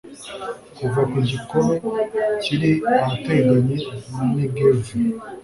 kuva ku kigobe kiri ahateganye na negevu